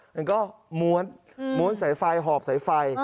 มันก็ม้วนม้วนสายไฟหอบสายไฟ